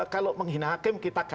kalau menghina hakim kita ganti juga ya